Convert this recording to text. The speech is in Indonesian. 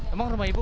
emang rumah ibu